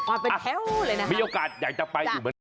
มีโอกาสอยากจะไปอยู่เมืองนี้